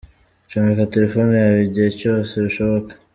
Comeka telefone yawe igihe cyose bishoboka.